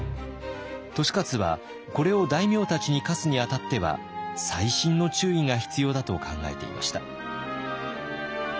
利勝はこれを大名たちに課すにあたっては細心の注意が必要だと考えていました。